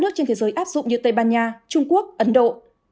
nước trên thế giới áp dụng như tây ban nha trung quốc ấn độ